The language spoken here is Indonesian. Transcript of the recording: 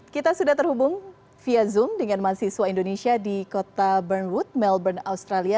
kita sudah terhubung via zoom dengan mahasiswa indonesia di kota bernwood melbourne australia